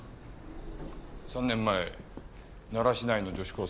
３年前奈良市内の女子高生